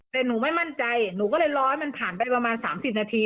แต่หนูไม่มั่นใจหนูก็เลยรอให้มันผ่านไปประมาณ๓๐นาที